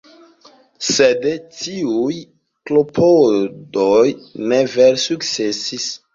Sed tiuj klopodoj ne vere sukcesis.